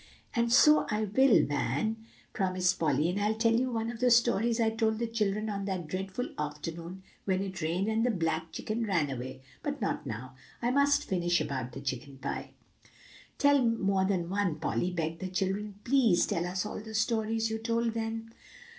"And so I will, Van," promised Polly; "and I'll tell you one of the stories I told the children on that dreadful afternoon when it rained, and the black chicken ran away. But not now; I must finish about the chicken pie." "Tell more than one, Polly," begged the children; "please tell us all the stories you told then."